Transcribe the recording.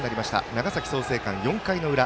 長崎、創成館、４回の裏。